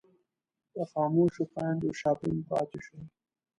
د خاموشو خویندو شاپنګ پاتې شو.